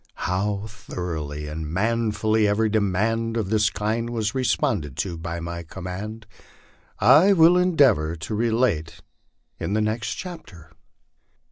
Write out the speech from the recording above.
How thoroughly and manfully every demand of this kind was re sponded to by my command, I will endeavor to relate in the next chapter.